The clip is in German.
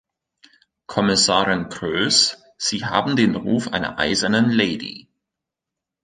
Kommissarin Kroes, Sie haben den Ruf einer Eisernen Lady.